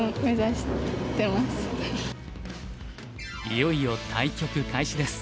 いよいよ対局開始です。